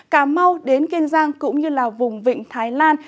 cà mau đến kiên giang cũng như là vùng vịnh thái lan